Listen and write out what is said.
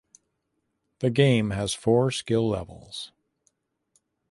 The game has four skill levels.